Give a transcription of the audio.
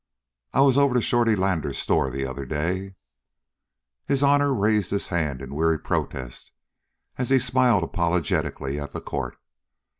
"I was over to Shorty Lander's store the other day " His honor raised his hand in weary protest, as he smiled apologetically at the court.